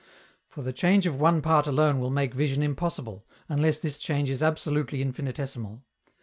For the change of one part alone will make vision impossible, unless this change is absolutely infinitesimal.